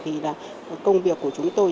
thì là công việc của chúng tôi